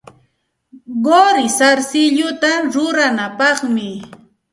Quri sarsilluta ruranapaqmi.